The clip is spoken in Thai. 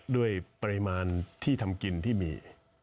ด้วยปริมาณที่ทำกินที่มี